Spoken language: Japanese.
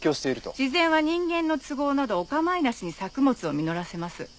自然は人間の都合などお構いなしに作物を実らせます。